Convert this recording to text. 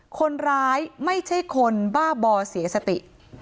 คนร้ายไม่ใช่คนบ้าบอเสียสติ